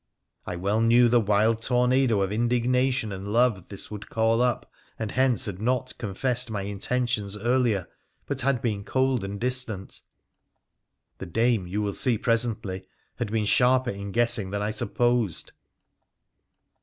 I well knew the wild tornado of indignation and love this would call up, and hence had not confessed my intentions earlier, but had been cold and distant. The dame, you will see presently, had been sharper in guessing than I supposed.